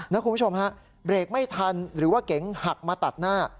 คุณผู้ชมฮะเบรกไม่ทันหรือว่าเก๋งหักมาตัดหน้า